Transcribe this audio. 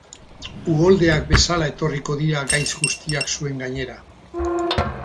Uholdeak bezala etorriko dira gaitz guztiak zuen gainera.